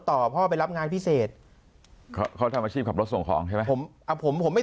ต่อพ่อไปรับงานพิเศษเขาทำอาชีพขับรถส่งของผมผมไม่